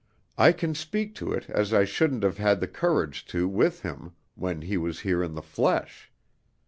I can speak to it as I shouldn't have had the courage to with him, when he was here in the flesh.